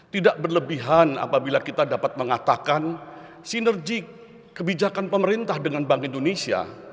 tidak berlebihan apabila kita dapat mengatakan sinerjik kebijakan pemerintah dengan bank indonesia